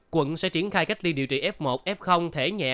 quận sẽ triển khai cách ly điều trị f một f thể nhẹ